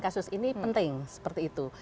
kasus ini penting seperti itu